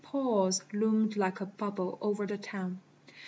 Paul's Loomed like a bubble o'er the town.